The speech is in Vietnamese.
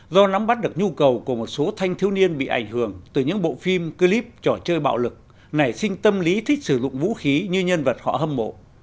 do nắm bắt được nhu cầu của một số thanh thiếu niên bị ảnh hưởng từ những bộ phim clip trò chơi bạo lực nảy sinh tâm lý thích sử dụng vũ khí như nhân vật họ hâm mộ